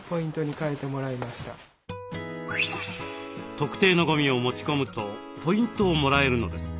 特定のゴミを持ち込むとポイントをもらえるのです。